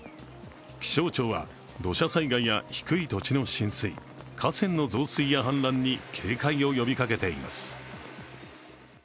気象庁は、土砂災害や低い土地の浸水河川の増水や氾濫に警戒を呼びかけています。